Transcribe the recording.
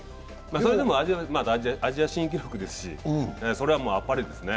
それでもアジア新記録ですし、それはもうあっぱれですね。